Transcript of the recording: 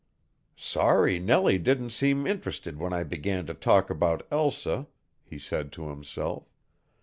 "Sorry Nellie didn't seem interested when I began to talk about Elsa," he said to himself.